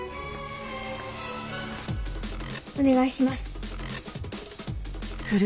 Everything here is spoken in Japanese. お願いします。